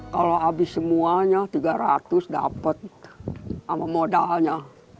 kalau habis semuanya rp tiga ratus dapat sama modalnya